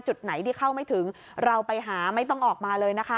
จุดไหนที่เข้าไม่ถึงเราไปหาไม่ต้องออกมาเลยนะคะ